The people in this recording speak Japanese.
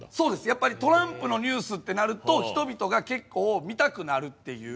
やっぱりトランプのニュースってなると人々が結構見たくなるっていう。